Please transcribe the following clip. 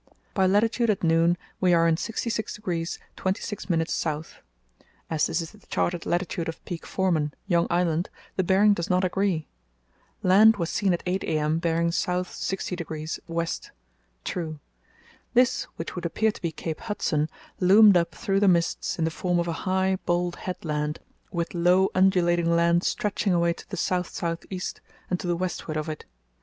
By latitude at noon we are in 66° 26´ S. As this is the charted latitude of Peak Foreman, Young Island, the bearing does not agree. Land was seen at 8 a.m. bearing south 60° west (true). This, which would appear to be Cape Hudson, loomed up through the mists in the form of a high, bold headland, with low undulating land stretching away to the south south east and to the westward of it.